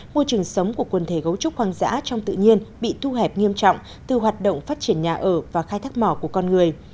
môi trường sống của quần thể gấu trúc hoang dã trong tự nhiên bị thu hẹp nghiêm trọng từ hoạt động phát triển nhà ở và khai thác mỏ của con người